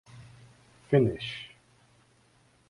Finnish